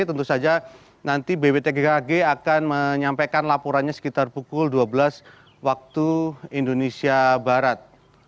tentu saja nanti bwt gkg akan menyampaikan laporannya sekitar pukul dua belas waktu indonesia barat